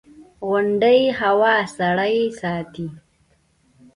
• غونډۍ هوا سړه ساتي.